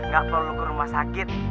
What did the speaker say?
nggak perlu ke rumah sakit